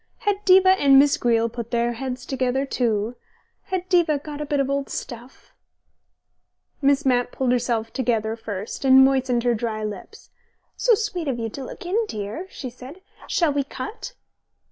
Had Diva and Miss Greele put their heads together too? Had Diva got a bit of old stuff ...? Miss Mapp pulled herself together first and moistened her dry lips. "So sweet of you to look in, dear," she said. "Shall we cut?"